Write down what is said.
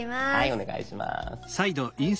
お願いします。